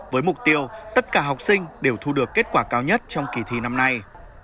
với mục tiêu tất cả học sinh đều thu được kết quả cao nhất trong kỳ thi năm nay